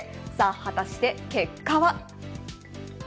果たして結果は。